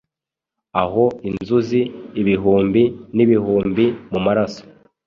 Aho inzuzi ibihumbi n'ibihumbi mumaraso